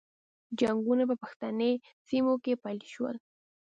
جنګونه په پښتني سیمو کې پیل شول.